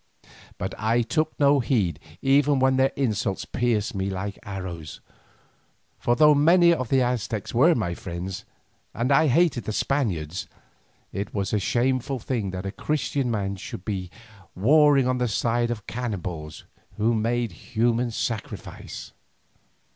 But I took no heed even when their insults pierced me like arrows, for though many of the Aztecs were my friends and I hated the Spaniards, it was a shameful thing that a Christian man should be warring on the side of cannibals who made human sacrifice.